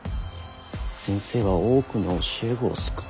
先生は多くの教え子を救ってきた。